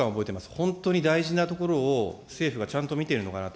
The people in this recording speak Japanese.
本当に大事なところを、政府がちゃんと見ているのかなと。